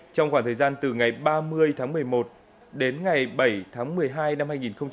trong khoảng thời gian từ ngày ba mươi tháng một mươi một đến ngày bảy tháng một mươi hai năm hai nghìn hai mươi